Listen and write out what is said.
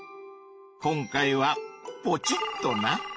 今回はポチッとな！